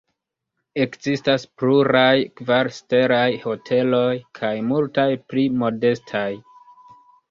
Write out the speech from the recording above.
Ekzistas pluraj kvar-stelaj hoteloj kaj multaj pli modestaj.